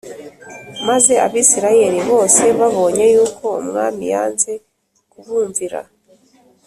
Maze Abisirayeli bose babonye yuko umwami yanze kubumvira